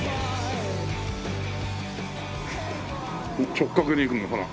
直角に行くんだほら。